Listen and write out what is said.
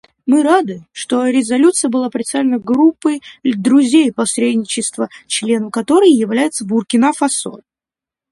Мы рады, что резолюция была представлена Группой друзей посредничества, членом которой является Буркина-Фасо.